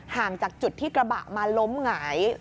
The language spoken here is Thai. ห่างจากจุดที่กระบะมาล้มหงาย